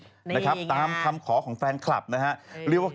นะครับตามคำขอของแฟนคลับนะฮะเรียกว่า